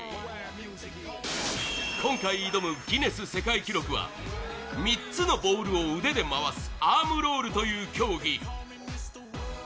今回挑むギネス世界記録は３つのボールを腕で回すアームロールという競技。